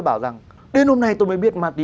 bảo rằng đến hôm nay tôi mới biết ma túy